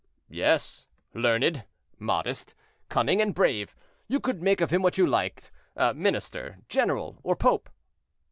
"Yes; learned, modest, cunning, and brave, you could make of him what you liked—minister, general, or pope."